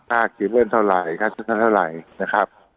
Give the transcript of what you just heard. ค่าเกมเวิร์นเท่าไหร่ค่าชุดภาคเท่าไหร่นะครับ